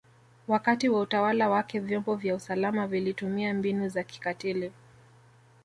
Wakati wa utawala wake vyombo vya usalama vilitumia mbinu za kikatili